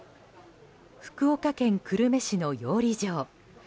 福岡県久留米市の養鯉場。